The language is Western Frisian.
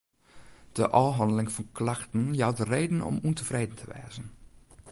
De ôfhanneling fan klachten jout reden om ûntefreden te wêzen.